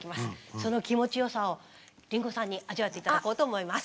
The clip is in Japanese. その気持ちよさを林檎さんに味わって頂こうと思います。